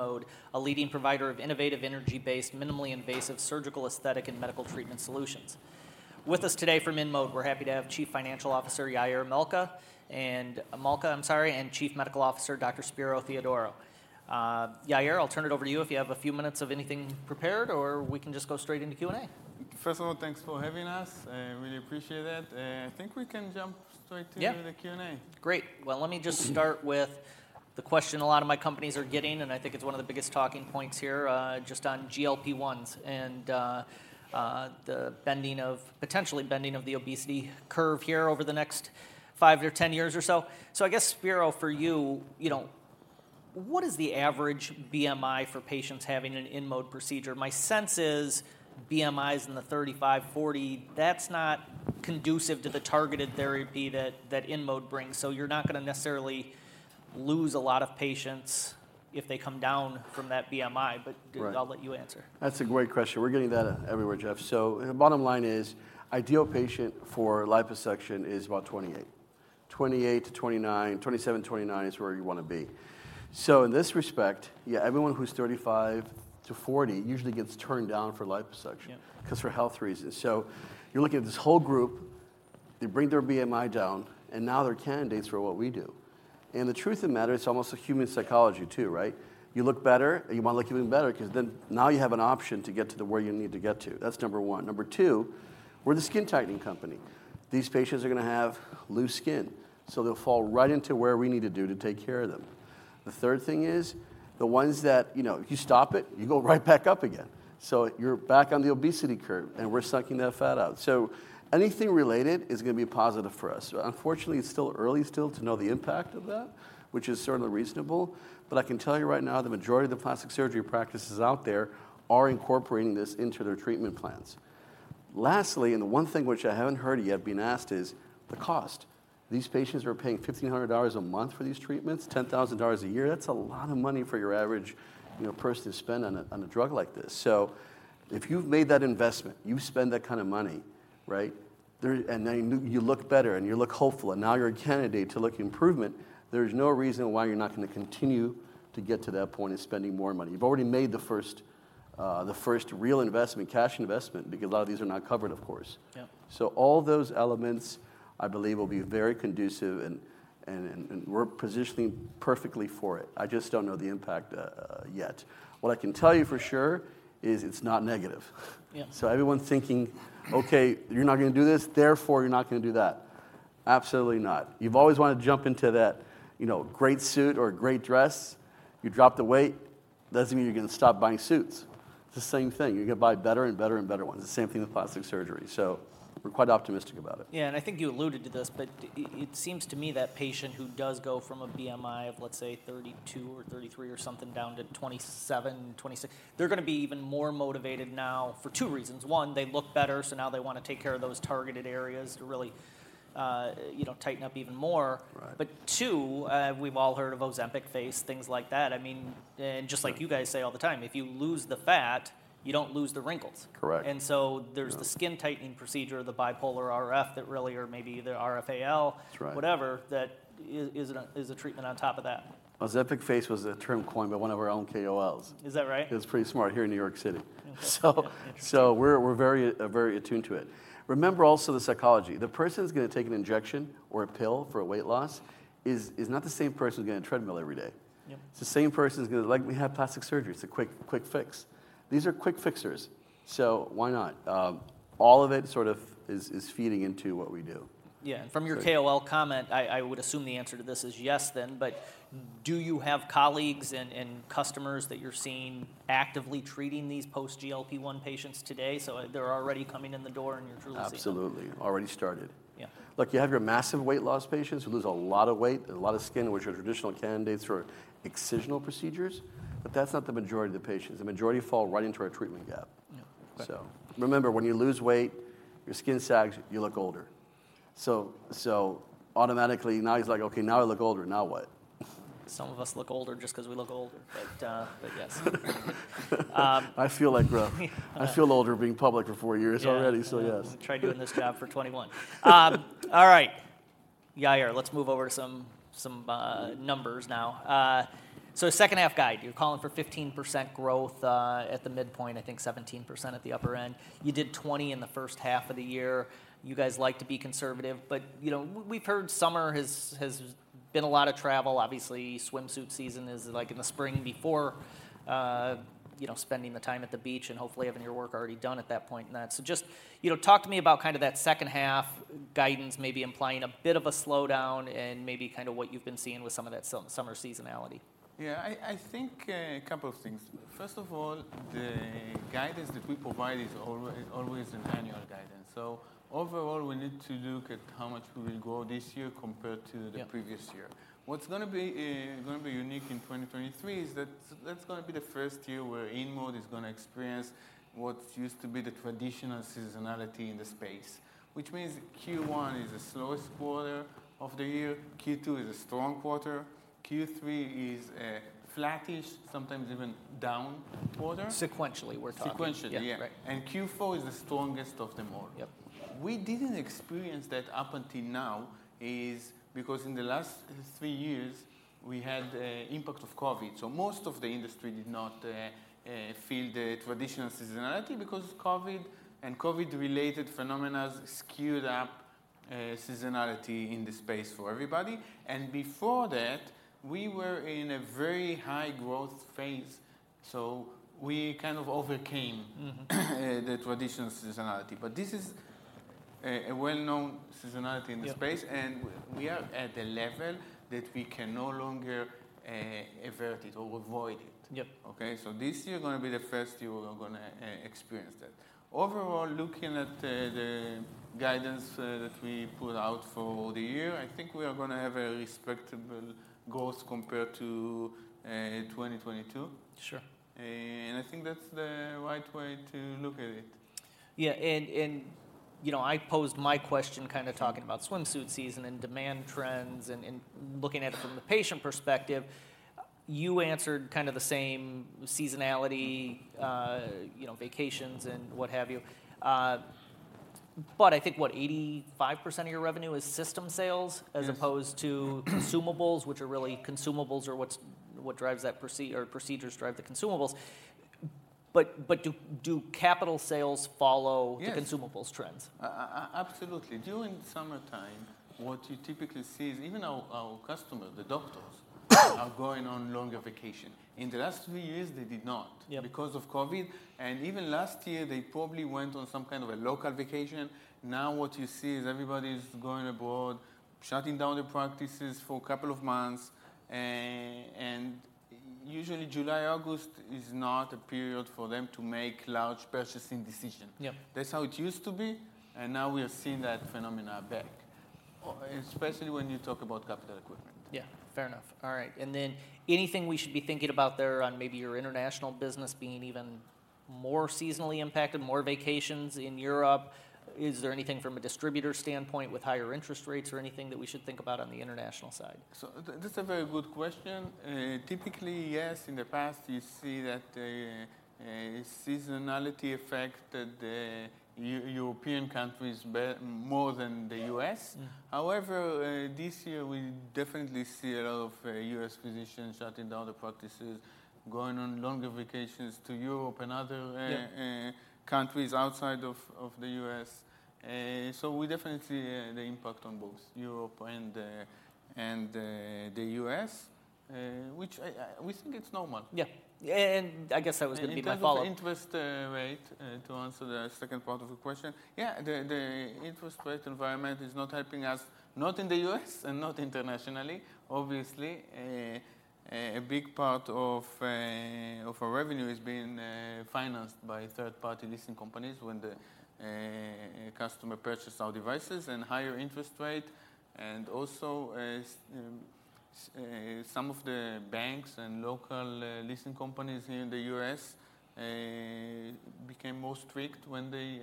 InMode, a leading provider of innovative energy-based, minimally invasive surgical, aesthetic, and medical treatment solutions. With us today from InMode, we're happy to have Chief Financial Officer, Yair Malca and Chief Medical Officer, Spero Theodorou. Yair Malca, I'll turn it over to you if you have a few minutes of anything prepared, or we can just go straight into Q&A. First of all, thanks for having us. I really appreciate it, and I think we can jump straight to- Yeah... the Q&A. Great! Well, let me just start with the question a lot of my companies are getting, and I think it's one of the biggest talking points here, just on GLP-1s and the potentially bending of the obesity curve here over the next five or 10 years or so. So I guess, Spero Theodorou, for you, you know, what is the average BMI for patients having an InMode procedure? My sense is BMIs in the 35, 40, that's not conducive to the targeted therapy that InMode brings. So you're not gonna necessarily lose a lot of patients if they come down from that BMI, but- Right... I'll let you answer. That's a great question. We're getting that everywhere, Jeff Johnson. So the bottom line is, ideal patient for liposuction is about 28. 28-29, 27-29 is where you wanna be. So in this respect, yeah, everyone who's 35-40 usually gets turned down for liposuction- Yeah... 'cause for health reasons. So you're looking at this whole group, they bring their BMI down, and now they're candidates for what we do. And the truth of the matter, it's almost a human psychology too, right? You look better, and you wanna look even better, 'cause then now you have an option to get to the where you need to get to. That's number one. Number two, we're the skin tightening company. These patients are gonna have loose skin, so they'll fall right into where we need to do to take care of them. The third thing is, the ones that, you know, if you stop it, you go right back up again. So you're back on the obesity curve, and we're sucking that fat out. So anything related is gonna be positive for us. Unfortunately, it's still early to know the impact of that, which is certainly reasonable, but I can tell you right now, the majority of the plastic surgery practices out there are incorporating this into their treatment plans. Lastly, and the one thing which I haven't heard yet been asked is, the cost. These patients are paying $1,500 a month for these treatments, $10,000 a year. That's a lot of money for your average, you know, person to spend on a, drug like this. So if you've made that investment, you spend that kind of money, right? And now you, you look better, and you look hopeful, and now you're a candidate to look improvement, there's no reason why you're not gonna continue to get to that point of spending more money. You've already made the first real investment, cash investment, because a lot of these are not covered, of course. Yeah. So all those elements, I believe, will be very conducive, and we're positioning perfectly for it. I just don't know the impact yet. What I can tell you for sure is it's not negative. Yeah. So everyone's thinking, "Okay, you're not gonna do this, therefore, you're not gonna do that." Absolutely not. You've always wanted to jump into that, you know, great suit or great dress. You drop the weight, doesn't mean you're gonna stop buying suits. It's the same thing. You're gonna buy better, and better, and better ones. The same thing with plastic surgery, so we're quite optimistic about it. Yeah, and I think you alluded to this, but it seems to me that patient who does go from a BMI of, let's say, 32 or 33 or something down to 27, 26, they're gonna be even more motivated now for two reasons: One, they look better, so now they wanna take care of those targeted areas to really, you know, tighten up even more. Right. But two, we've all heard of Ozempic face, things like that. I mean, and just like you guys say all the time, "If you lose the fat, you don't lose the wrinkles. Correct. And so- Yeah... there's the skin tightening procedure, the bipolar RF or maybe the RFAL- That's right... whatever that is, is a treatment on top of that. Ozempic face was a term coined by one of our own KOLs. Is that right? It's pretty smart here in New York City. So- Interesting... so we're very attuned to it. Remember also the psychology. The person who's gonna take an injection or a pill for a weight loss is not the same person who's getting a treadmill every day. Yep. It's the same person who's gonna like we have plastic surgery, it's a quick, quick fix. These are quick fixers, so why not? All of it sort of is feeding into what we do. Yeah, from your KOL comment, I would assume the answer to this is yes, then, but do you have colleagues and customers that you're seeing actively treating these post GLP-1 patients today? So they're already coming in the door and you're truly seeing- Absolutely. Already started. Yeah. Look, you have your massive weight loss patients who lose a lot of weight, a lot of skin, which are traditional candidates for excisional procedures, but that's not the majority of the patients. The majority fall right into our treatment gap. Yeah. Right. So remember, when you lose weight, your skin sags, you look older. So automatically now it's like: "Okay, now I look older. Now what? Some of us look older just 'cause we look older, but yes. I feel like, I feel older being public for four years already- Yeah... so, yes. Try doing this job for 21. All right. Yair Malca, let's move over to some numbers now. So H2 guide, you're calling for 15% growth at the midpoint, I think 17% at the upper-end. You did 20% in the H1 of the year. You guys like to be conservative, but, you know, we've heard summer has been a lot of travel. Obviously, swimsuit season is like in the spring before, you know, spending the time at the beach and hopefully having your work already done at that point, and that. So just, you know, talk to me about kind of that H2 guidance, maybe implying a bit of a slowdown and maybe kind of what you've been seeing with some of that summer seasonality. Yeah, I think a couple of things. First of all, the guidance that we provide is always, always an annual guidance. So overall, we need to look at how much we will grow this year compared to- Yeah... the previous year. What's gonna be, gonna be unique in 2023 is that, that's gonna be the first year where InMode is gonna experience what used to be the traditional seasonality in the space. Which means Q1 is the slowest quarter of the year, Q2 is a strong quarter, Q3 is flattish, sometimes even down-... sequentially, we're talking? Sequentially, yeah. Yeah, right. Q4 is the strongest of them all. Yep. We didn't experience that up until now is because in the last three years, we had impact of COVID. So most of the industry did not feel the traditional seasonality because COVID and COVID-related phenomena skewed up seasonality in the space for everybody. And before that, we were in a very high growth phase, so we kind of overcame the traditional seasonality. But this is a well-known seasonality in the space- Yep... and we are at a level that we can no longer avert it or avoid it. Yep. Okay? So this year is gonna be the first year we're gonna experience that. Overall, looking at the guidance that we put out for the year, I think we are gonna have a respectable growth compared to 2022. Sure. I think that's the right way to look at it. Yeah, and you know, I posed my question kind of talking about swimsuit season and demand trends, and looking at it from the patient perspective. You answered kind of the same seasonality, you know, vacations and what have you. But I think, what? 85% of your revenue is system sales- Yes... as opposed to consumables, which are really consumables or what drives that or procedures drive the consumables. But do capital sales follow- Yes... the consumables trends? Absolutely. During summertime, what you typically see is even our customer, the doctors, are going on longer vacation. In the last three years, they did not- Yep... because of COVID, and even last year, they probably went on some kind of a local vacation. Now, what you see is everybody is going abroad, shutting down their practices for a couple of months, and usually, July, August is not a period for them to make large purchasing decision. Yep. That's how it used to be, and now we are seeing that phenomena back, especially when you talk about capital equipment. Yeah, fair enough. All right, and then anything we should be thinking about there on maybe your international business being even more seasonally impacted, more vacations in Europe? Is there anything from a distributor standpoint with higher interest rates or anything that we should think about on the international side? That's a very good question. Typically, yes, in the past, you see that seasonality affected the European countries more than the U.S. Mm. However, this year, we definitely see a lot of U.S. physicians shutting down their practices, going on longer vacations to Europe and other- Yep... countries outside of the U.S. So we definitely see the impact on both Europe and the U.S., which we think it's normal. Yeah. Yeah, and I guess that was gonna be my follow-up. In terms of interest rate, to answer the second part of the question, the interest rate environment is not helping us, not in the U.S. and not Internationally. Obviously, a big part of our revenue is being financed by third-party leasing companies when the customer purchase our devices, and higher interest rate and also, some of the banks and local leasing companies here in the U.S. became more strict when they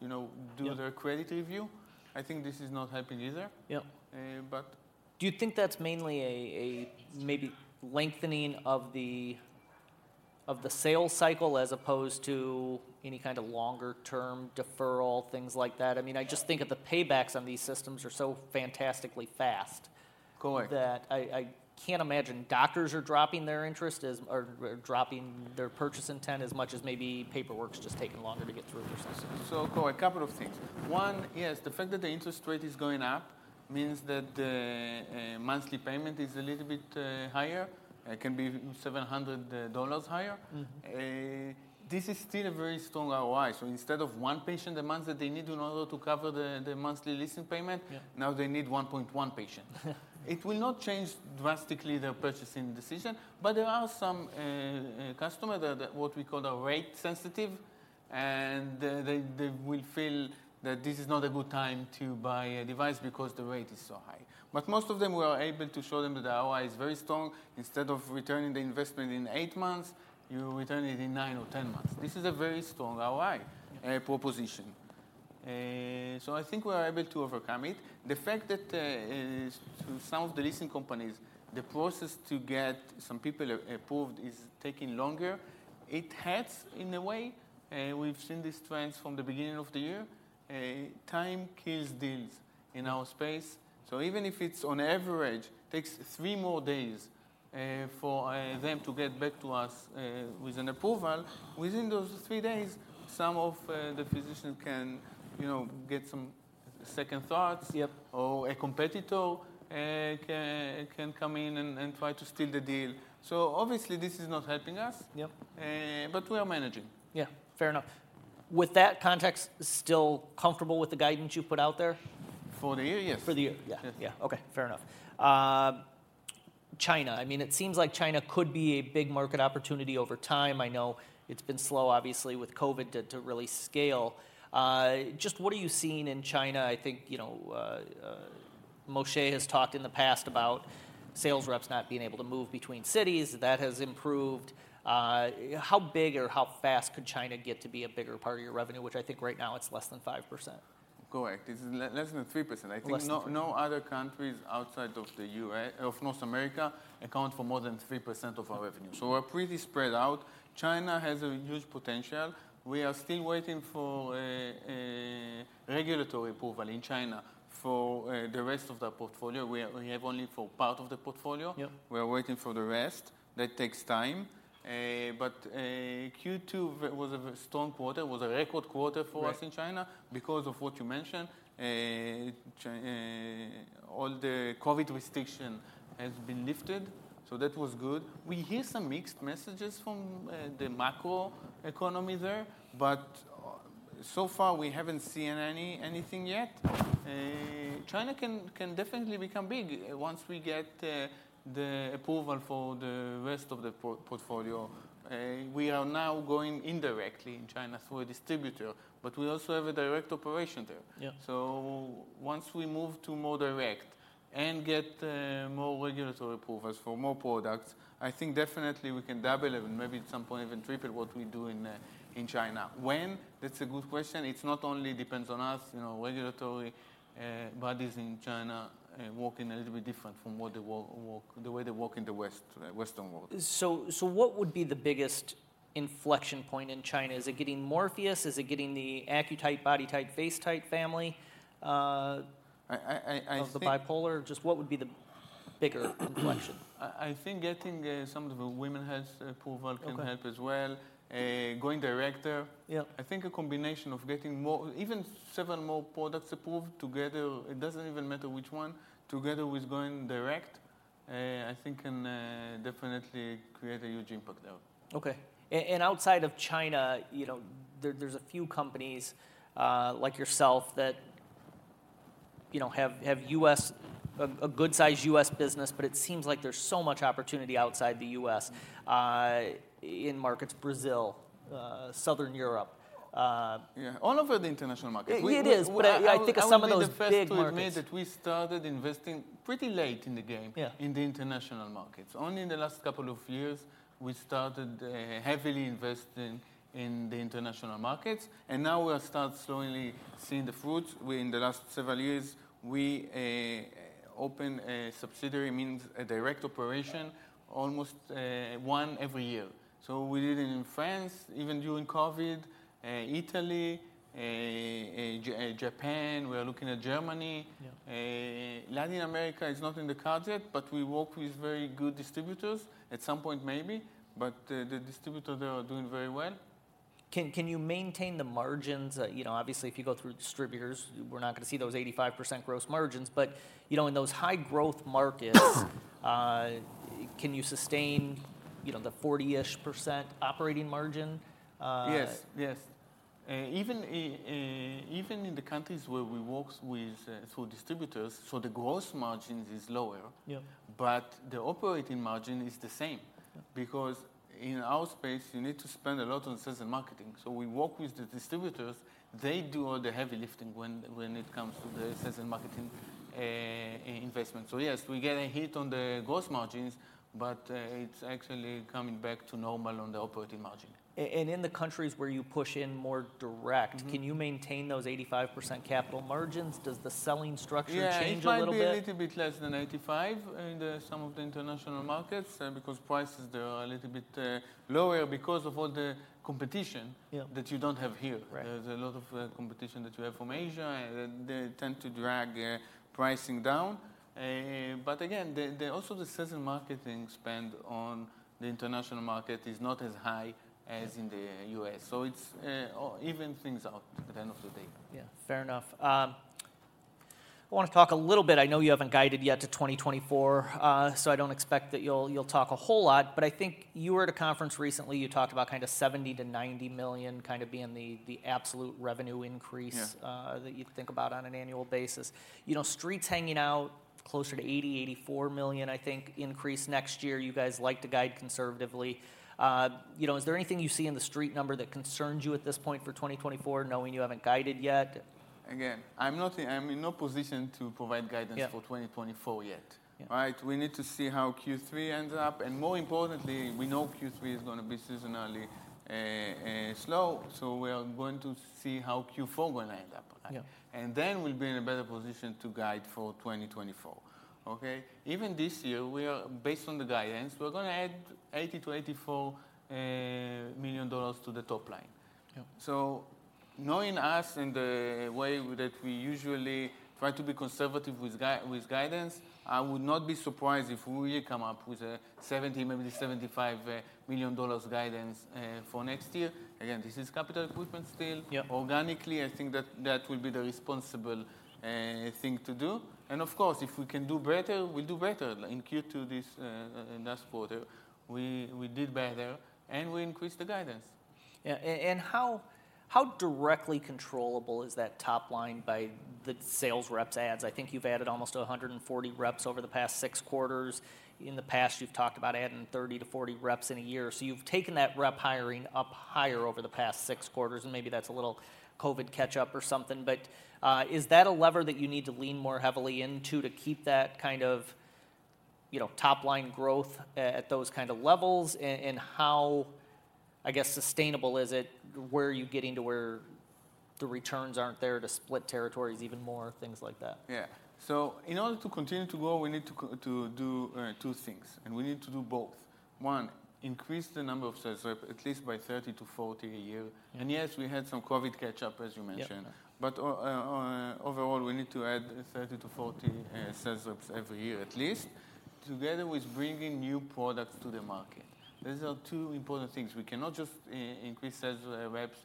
you know- Yep... do their credit review. I think this is not helping either. Yep. Uh, but- Do you think that's mainly a maybe lengthening of the sales cycle, as opposed to any kind of longer-term deferral, things like that? I mean, I just think of the paybacks on these systems are so fantastically fast- Correct... that I can't imagine doctors are dropping their interest or dropping their purchase intent as much as maybe paperwork's just taking longer to get through the system. So a couple of things. One, yes, the fact that the interest rate is going up means that the monthly payment is a little bit higher. It can be $700 higher. Mm-hmm. This is still a very strong ROI. So instead of one patient a month that they need in order to cover the monthly leasing payment- Yep... now they need 1.1 patient. It will not change drastically their purchasing decision, but there are some customers that we call our rate-sensitive, and they will feel that this is not a good time to buy a device because the rate is so high. But most of them, we are able to show them that the ROI is very strong. Instead of returning the investment in 8 months, you return it in nine or 10 months. This is a very strong ROI proposition. So I think we are able to overcome it. The fact that some of the leasing companies, the process to get some people approved is taking longer, it helps in a way. We've seen this trend from the beginning of the year. Time kills deals in our space, so even if it's on average takes three more days for them to get back to us with an approval, within those 3three days some of the physicians can, you know, get some second thoughts- Yep... or a competitor can come in and try to steal the deal. So obviously, this is not helping us. Yep. But we are managing. Yeah, fair enough. With that context, still comfortable with the guidance you've put out there? For the year? Yes. For the year. Yes. Yeah, yeah. Okay, fair enough. China, I mean, it seems like China could be a big market opportunity over time. I know it's been slow, obviously, with COVID to really scale. Just what are you seeing in China? I think, you know, Moshe Mizrahy has talked in the past about sales reps not being able to move between cities. That has improved. How big or how fast could China get to be a bigger part of your revenue, which I think right now it's less than 5%?... Correct, it's less than 3%. Less than 3%. I think no, no other countries outside of the U.S. of North America account for more than 3% of our revenue. So we're pretty spread out. China has a huge potential. We are still waiting for a regulatory approval in China for the rest of the portfolio. We are. We have only for part of the portfolio. Yeah. We are waiting for the rest. That takes time. But Q2 was a very strong quarter, was a record quarter for us- Right... in China because of what you mentioned. All the COVID restriction has been lifted, so that was good. We hear some mixed messages from the macro economy there, but so far, we haven't seen anything yet. China can definitely become big once we get the approval for the rest of the portfolio. We are now going indirectly in China through a distributor, but we also have a direct operation there. Yeah. So once we move to more direct and get more regulatory approvals for more products, I think definitely we can double it and maybe at some point even triple what we do in China. When? That's a good question. It's not only depends on us, you know, regulatory bodies in China work in a little bit different from what they work, the way they work in the Western world. So, so what would be the biggest inflection point in China? Is it getting Morpheus? Is it getting the AccuTite, BodyTite, FaceTite family? I think- Of the bipolar, just what would be the bigger inflection? I think getting some of the women's health approval- Okay... can help as well. Going direct there. Yeah. I think a combination of getting more, even seven more products approved together. It doesn't even matter which one. Together with going direct, I think can definitely create a huge impact there. Okay. And outside of China, you know, there's a few companies like yourself that, you know, have a good size U.S. business, but it seems like there's so much opportunity outside the U.S. in markets, Brazil, Southern Europe. Yeah, all over the international market. It is, but I think of some of those big markets. I wanna be the first to admit that we started investing pretty late in the game- Yeah... in the international markets. Only in the last couple of years, we started heavily investing in the international markets, and now we are start slowly seeing the fruits. We, in the last several years, we, opened a subsidiary, means a direct operation, almost one every year. So we did it in France, even during COVID, Italy, Japan. We are looking at Germany. Yeah. Latin America is not in the cards yet, but we work with very good distributors. At some point, maybe, but, the distributors, they are doing very well. Can you maintain the margins? You know, obviously, if you go through distributors, we're not gonna see those 85% gross margins, but, you know, in those high growth markets, can you sustain, you know, the 40-ish% operating margin? Yes, yes. Even in the countries where we work with, through distributors, so the gross margins is lower- Yeah... but the operating margin is the same. Yeah. Because in our space, you need to spend a lot on sales and marketing. So we work with the distributors. They do all the heavy lifting when it comes to the sales and marketing investment. So yes, we get a hit on the gross margins, but it's actually coming back to normal on the operating margin. and in the countries where you push in more direct Mm-hmm. Can you maintain those 85% capital margins? Does the selling structure change a little bit? Yeah, it might be a little bit less than $85 in some of the international markets, because prices there are a little bit lower because of all the competition- Yeah... that you don't have here. Right. There's a lot of competition that you have from Asia, and they tend to drag pricing down. But again, also the sales and marketing spend on the international market is not as high as in the U.S. So it's oh, even things out at the end of the day. Yeah, fair enough. I wanna talk a little bit, I know you haven't guided yet to 2024, so I don't expect that you'll talk a whole lot, but I think you were at a conference recently, you talked about kinda $70 million-$90 million kind of being the absolute revenue increase- Yeah... that you'd think about on an annual basis. You know, Street's hanging out closer to $80-$84 million, I think, increase next year. You guys like to guide conservatively. You know, is there anything you see in the Street number that concerns you at this point for 2024, knowing you haven't guided yet? Again, I'm in no position to provide guidance- Yeah... for 2024 yet. Yeah. Right? We need to see how Q3 ends up, and more importantly, we know Q3 is gonna be seasonally slow, so we are going to see how Q4 gonna end up like. Yeah. Then we'll be in a better position to guide for 2024, okay? Even this year, we are, based on the guidance, we're gonna add $80 million-$84 million to the top line. Yeah. So knowing us and the way that we usually try to be conservative with guidance, I would not be surprised if we come up with a $70 million-$75 million guidance for next year. Again, this is capital equipment still. Yeah. Organically, I think that will be the responsible thing to do. Of course, if we can do better, we'll do better. In Q2, this last quarter, we did better, and we increased the guidance. Yeah. And how directly controllable is that top line by the sales reps adds? I think you've added almost 140 reps over the past six quarters. In the past, you've talked about adding 30 reps-40 reps in a year. So you've taken that rep hiring up higher over the past six quarters, and maybe that's a little COVID catch-up or something, but is that a lever that you need to lean more heavily into to keep that kind of, you know, top-line growth at those kind of levels? And how sustainable is it, I guess? Where are you getting to where the returns aren't there to split territories even more, things like that? Yeah. So in order to continue to grow, we need to do two things, and we need to do both. One, increase the number of sales rep at least by 30 reps-40 reps a year. Mm. Yes, we had some COVID catch up, as you mentioned. Yep. But overall, we need to add 30 sales reps-40 sales reps every year, at least, together with bringing new products to the market. These are two important things. We cannot just increase sales reps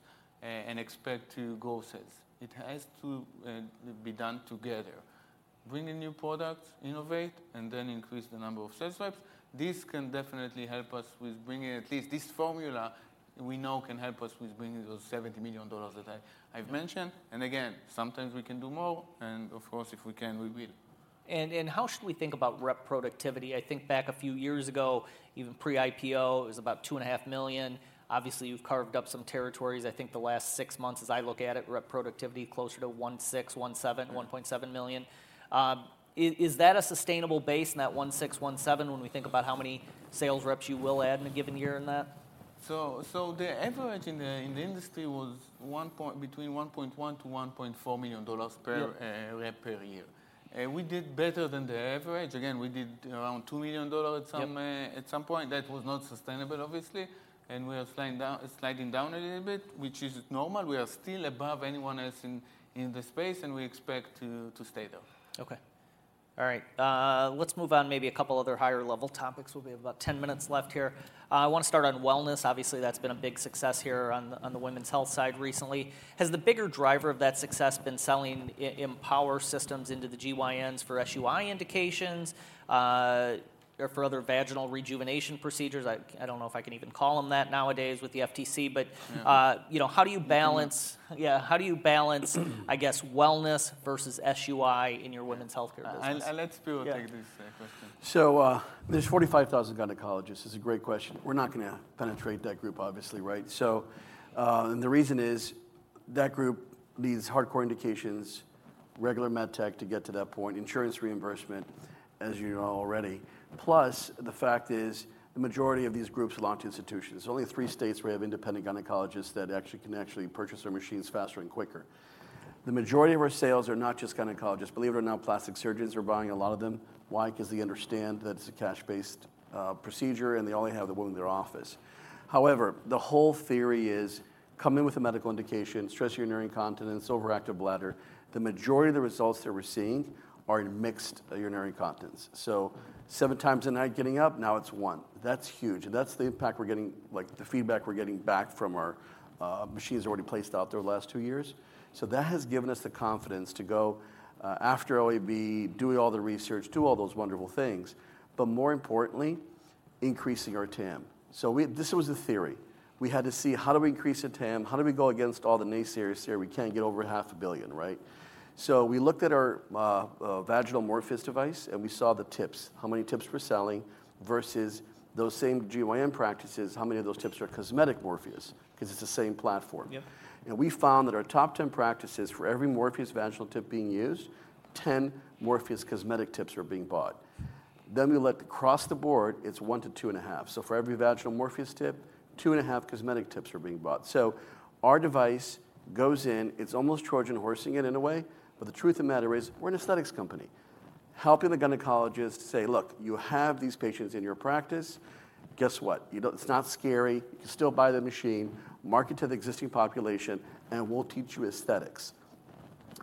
and expect to grow sales. It has to be done together. Bring in new products, innovate, and then increase the number of sales reps. This can definitely help us with bringing, at least this formula, we know can help us with bringing those $70 million that I, I've mentioned. Yeah. Again, sometimes we can do more, and of course, if we can, we will. How should we think about rep productivity? I think back a few years ago, even pre-IPO, it was about $2.5 million. Obviously, you've carved up some territories. I think the last six months, as I look at it, rep productivity, closer to $1.6 million-$1.7 million. Yeah... $1.7 million. Is that a sustainable base in that 1.6 million-1.7 million, when we think about how many sales reps you will add in a given year in that? So, the average in the industry was between $1.1 million-$1.4 million per- Yeah... rep per year. And we did better than the average. Again, we did around $2 million at some- Yep At some point. That was not sustainable, obviously, and we are sliding down, sliding down a little bit, which is normal. We are still above anyone else in this space, and we expect to stay there. Okay. All right, let's move on to maybe a couple other higher-level topics. We'll be about 10 minutes left here. I want to start on wellness. Obviously, that's been a big success here on the women's health side recently. Has the bigger driver of that success been selling Empower systems into the GYNs for SUI indications, or for other vaginal rejuvenation procedures? I don't know if I can even call them that nowadays with the FTC, but- Yeah... you know, how do you balance- Mm. Yeah, how do you balance, I guess, wellness versus SUI in your women's healthcare business? Let's Spero Theodorou take this question. There's 45,000 gynecologists. It's a great question. We're not going to penetrate that group, obviously, right? So, and the reason is, that group needs hardcore indications, regular med tech to get to that point, insurance reimbursement, as you know already. Plus, the fact is, the majority of these groups are locked institutions. Yeah. Only three states we have independent gynecologists that actually can actually purchase their machines faster and quicker. The majority of our sales are not just gynecologists. Believe it or not, plastic surgeons are buying a lot of them. Why? Because they understand that it's a cash-based procedure, and they only have the woman in their office. However, the whole theory is: come in with a medical indication, stress urinary incontinence, overactive bladder. The majority of the results that we're seeing are in mixed urinary incontinence. So seven times a night getting up, now it's one. That's huge, and that's the impact we're getting like, the feedback we're getting back from our machines already placed out there the last two years. So that has given us the confidence to go after OAB, doing all the research, do all those wonderful things, but more importantly, increasing our TAM. So this was the theory. We had to see, how do we increase the TAM? How do we go against all the naysayers here? We can't get over $500 million, right? So we looked at our vaginal Morpheus device, and we saw the tips, how many tips we're selling, versus those same GYN practices, how many of those tips are cosmetic Morpheus, because it's the same platform. Yep. We found that our top 10 practices, for every Morpheus vaginal tip being used, 10 Morpheus cosmetic tips are being bought. Then we looked across the board, it's one to 2.5. So for every vaginal Morpheus tip, 2.5 cosmetic tips are being bought. So our device goes in, it's almost Trojan horsing it in a way, but the truth of the matter is, we're an aesthetics company. Helping the gynecologist say: Look, you have these patients in your practice. Guess what? You know, it's not scary. You can still buy the machine, market to the existing population, and we'll teach you aesthetics.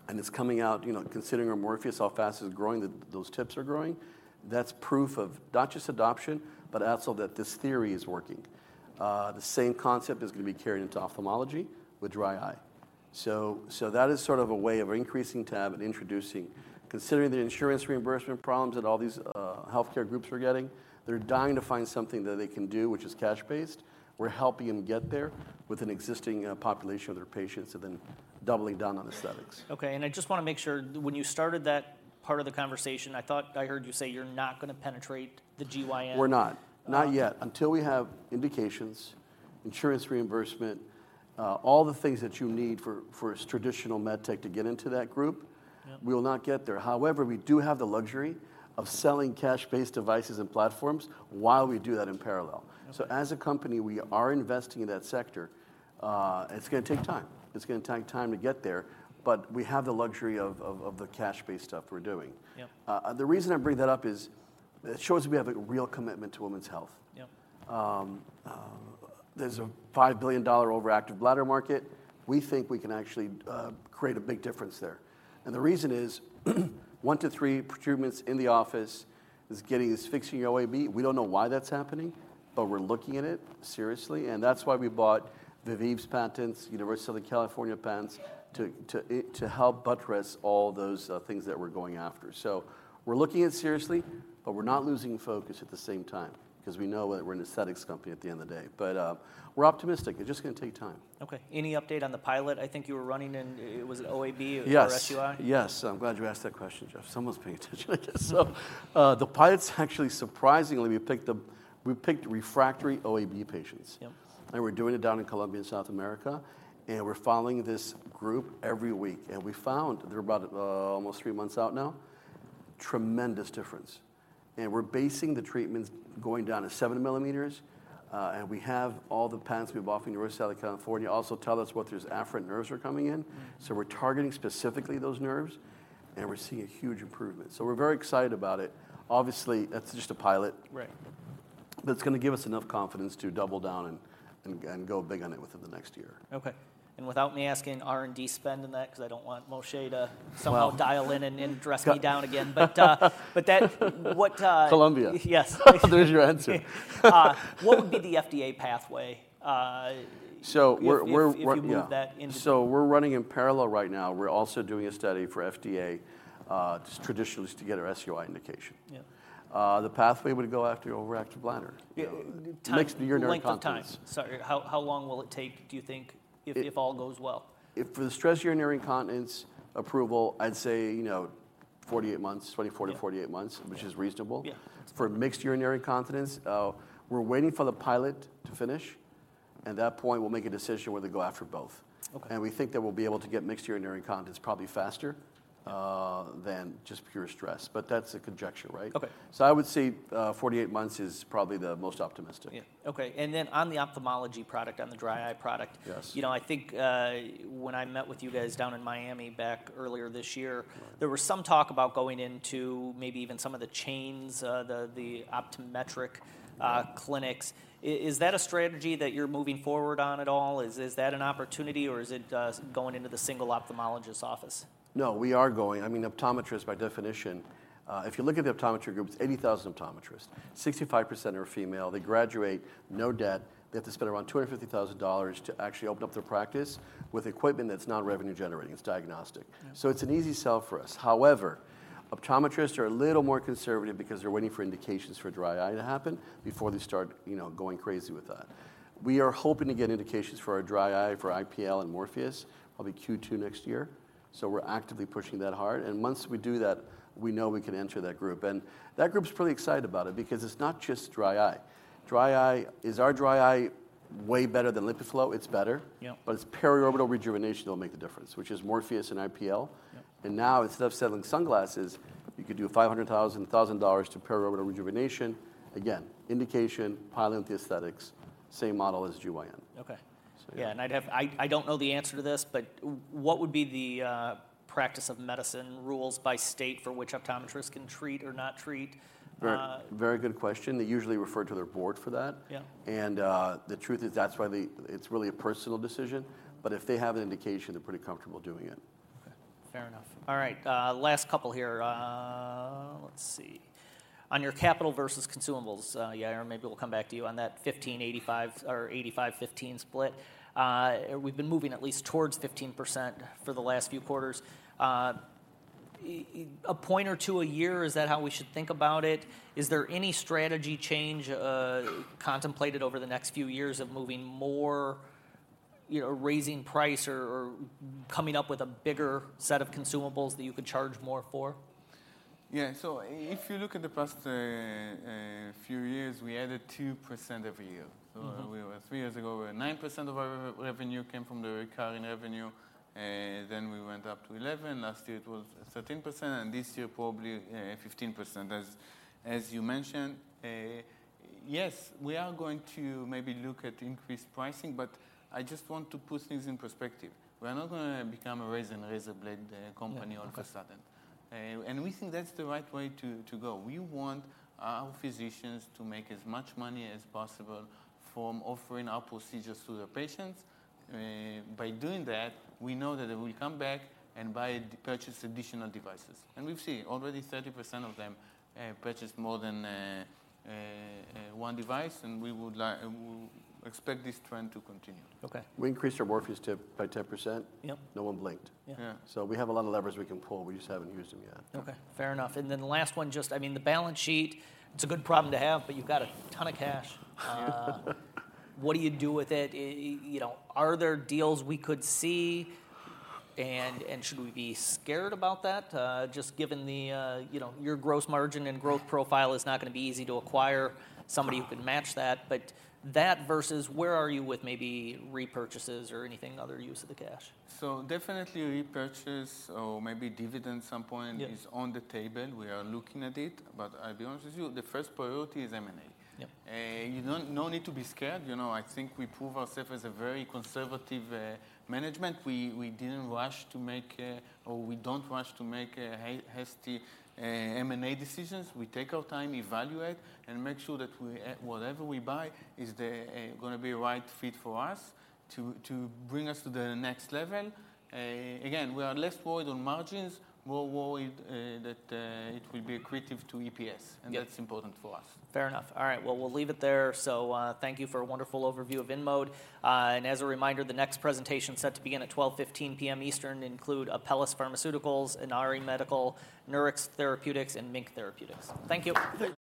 It's coming out, you know, considering our Morpheus, how fast it's growing, those tips are growing, that's proof of not just adoption, but also that this theory is working. The same concept is going to be carried into ophthalmology with dry eye. So, so that is sort of a way of increasing TAM and introducing... Considering the insurance reimbursement problems that all these healthcare groups are getting, they're dying to find something that they can do, which is cash-based. We're helping them get there with an existing population of their patients and then doubling down on aesthetics. Okay, and I just want to make sure, when you started that part of the conversation, I thought I heard you say you're not going to penetrate the GYN? We're not. Uh- Not yet. Until we have indications, insurance reimbursement, all the things that you need for a traditional med tech to get into that group- Yep... we will not get there. However, we do have the luxury of selling cash-based devices and platforms while we do that in parallel. Okay. As a company, we are investing in that sector. It's gonna take time. It's gonna take time to get there, but we have the luxury of the cash-based stuff we're doing. Yep. The reason I bring that up is, it shows we have a real commitment to women's health. Yep. There's a $5 billion overactive bladder market. We think we can actually create a big difference there. And the reason is, one-three procurements in the office is fixing OAB. We don't know why that's happening, but we're looking at it seriously, and that's why we bought Viveve's patents, University of Southern California patents, to help buttress all those things that we're going after. So we're looking at it seriously, but we're not losing focus at the same time, because we know that we're an aesthetics company at the end of the day. But we're optimistic. It's just gonna take time. Okay. Any update on the pilot? I think you were running in... It was OAB or SUI. Yes, yes. I'm glad you asked that question, Jeff Johnson. Someone's paying attention. So, the pilot's actually surprisingly, we picked refractory OAB patients. Yep. We're doing it down in Colombia and South America, and we're following this group every week. We found, they're about almost three months out now— tremendous difference. We're basing the treatments going down to 7 mm, and we have all the patents we've offered in University of California. Also tell us what those afferent nerves are coming in. So we're targeting specifically those nerves, and we're seeing a huge improvement. So we're very excited about it. Obviously, that's just a pilot. Right. But it's gonna give us enough confidence to double down and go big on it within the next year. Okay. And without me asking R&D spend on that, 'cause I don't want Moshe to- Well somehow dial in and, and dress me down again. But, but that, what, Colombia. Yes. There's your answer. What would be the FDA pathway? So we're yeah. If you move that into- We're running in parallel right now. We're also doing a study for FDA, just traditionally, to get our SUI indication. Yeah. The pathway would go after overactive bladder. Yeah. mixed urinary incontinence. Sorry, how long will it take, do you think, if all goes well? If for the stress urinary incontinence approval, I'd say, you know, 48 months, 24 months-48 months- Yeah... which is reasonable. Yeah. For mixed urinary incontinence, we're waiting for the pilot to finish, at that point we'll make a decision whether to go after both. Okay. We think that we'll be able to get mixed urinary incontinence probably faster than just pure stress, but that's a conjecture, right? Okay. I would say, 48 months is probably the most optimistic. Yeah, okay. Then on the ophthalmology product, on the dry eye product- Yes.... you know, I think, when I met with you guys down in Miami back earlier this year- Right... there was some talk about going into maybe even some of the chains, the optometric clinics. Is that a strategy that you're moving forward on at all? Is that an opportunity, or is it going into the single ophthalmologist office? No, we are going, I mean, optometrists by definition. If you look at the optometry group, it's 80,000 optometrists. 65% are female, they graduate, no debt, they have to spend around $250,000 to actually open up their practice with equipment that's not revenue generating, it's diagnostic. Yeah. So it's an easy sell for us. However, optometrists are a little more conservative because they're waiting for indications for dry eye to happen before they start, you know, going crazy with that. We are hoping to get indications for our dry eye, for IPL and Morpheus, probably Q2 next year, so we're actively pushing that hard. And once we do that, we know we can enter that group. And that group is pretty excited about it because it's not just dry eye. Dry eye. Is our dry eye way better than LipiFlow? It's better. Yeah. It's periorbital rejuvenation that will make the difference, which is Morpheus and IPL. Yeah. Now, instead of selling sunglasses, you could do $500,000-$1,000 to periorbital rejuvenation. Again, indication, pilot the aesthetics, same model as GYN. Okay. So yeah. Yeah, and I'd have—I don't know the answer to this, but what would be the practice of medicine rules by state for which optometrists can treat or not treat? Very, very good question. They usually refer to their board for that. Yeah. The truth is, that's why it's really a personal decision, but if they have an indication, they're pretty comfortable doing it. Okay. Fair enough. All right, last couple here. Let's see. On your capital versus consumables, Yair Malca, maybe we'll come back to you on that 155-85% or 85%-15% split. We've been moving at least towards 15% for the last few quarters. A point or two a year, is that how we should think about it? Is there any strategy change, contemplated over the next few years of moving more, you know, raising price or, or coming up with a bigger set of consumables that you could charge more for? Yeah. So if you look at the past few years, we added 2% every year. Mm-hmm. So, three years ago, we were at 9% of our revenue came from the recurring revenue, then we went up to 11%, last year it was 13%, and this year, probably, 15%. As you mentioned, yes, we are going to maybe look at increased pricing, but I just want to put things in perspective. We are not gonna become a razor and razor blade company- Yeah... all of a sudden. And we think that's the right way to go. We want our physicians to make as much money as possible from offering our procedures to their patients. By doing that, we know that they will come back and buy, purchase additional devices. And we've seen already 30% of them purchase more than one device, and we would like, we expect this trend to continue. Okay. We increased our Morpheus tip by 10%. Yep. No one blinked. Yeah. Yeah. We have a lot of levers we can pull. We just haven't used them yet. Okay, fair enough. And then the last one, just, I mean, the balance sheet, it's a good problem to have, but you've got a ton of cash. What do you do with it? You know, are there deals we could see? And, and should we be scared about that, just given the, you know, your gross margin and growth profile is not gonna be easy to acquire somebody who can match that, but that versus where are you with maybe repurchases or anything, other use of the cash? Definitely repurchase or maybe dividend at some point- Yeah... is on the table. We are looking at it, but I'll be honest with you, the first priority is M&A. Yeah. You don't, no need to be scared. You know, I think we prove ourselves as a very conservative management. We didn't rush to make, or we don't rush to make, hasty M&A decisions. We take our time, evaluate, and make sure that we whatever we buy is gonna be a right fit for us to bring us to the next level. Again, we are less worried on margins, more worried that it will be accretive to EPS- Yeah... and that's important for us. Fair enough. All right, well, we'll leave it there. So, thank you for a wonderful overview of InMode. And as a reminder, the next presentation is set to begin at 12:15 P.M. Eastern, include Apellis Pharmaceuticals, Inari Medical, Nurix Therapeutics, and MiNK Therapeutics. Thank you.